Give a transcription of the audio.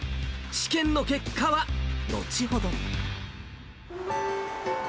試験の結果は後ほど。